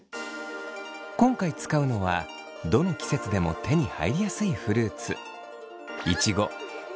今回使うのはどの季節でも手に入りやすいフルーツ。